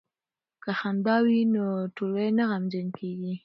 که خندا وي نو ټولګی نه غمجن کیږي.